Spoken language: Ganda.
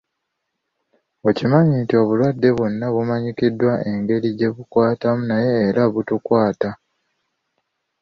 Okimanyi nti obulwadde bwonna bumanyikiddwa engeri gye bukwatamu naye era butukwata.